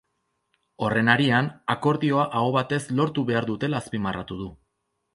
Horren harian, akordioa aho batez lortu behar dutela azpimarratu du.